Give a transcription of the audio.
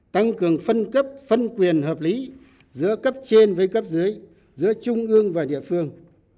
tăng cường phân cấp phân quyền hợp lý giữa cấp trên với cấp dưới giữa trung ương và địa phương